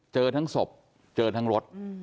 เจอทั้งศพเจอทั้งรถ